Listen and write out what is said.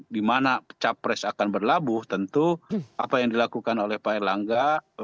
dimana capres akan berlabuh tentu apa yang dilakukan oleh pak erlangga